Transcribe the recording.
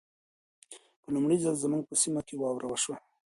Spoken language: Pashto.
په لمړي ځل زموږ په سيمه کې واوره وشوه.